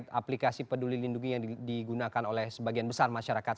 aplikasi peduli lindungi yang digunakan oleh sebagian besar masyarakat